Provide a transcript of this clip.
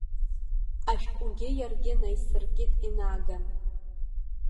Ашҟәгьы иаргьы наисыркит инаган.